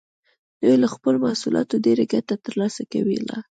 دوی له خپلو محصولاتو ډېره ګټه ترلاسه کوله.